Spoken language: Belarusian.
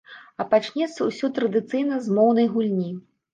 А пачнецца ўсе традыцыйна з моўнай гульні.